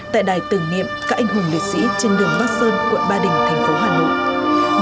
tại đài tưởng niệm các anh hùng liệt sĩ trên đường bắc sơn quận ba đình thành phố hà nội